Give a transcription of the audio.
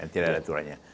tidak ada aturan